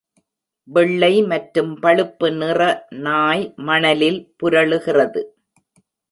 வெள்ளை மற்றும் பழுப்பு நிற நாய் மணலில் புரளுகிறது